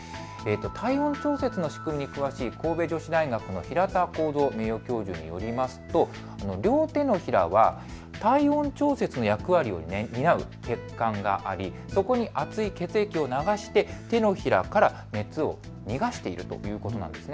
体温調節の仕組みに詳しい神戸女子大学の平田耕造名誉教授によりますと、両手のひらは体温調節の役割を担う血管がありそこに熱い血液を流して手のひらから熱を逃がすということなんです。